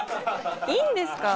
いいんですか？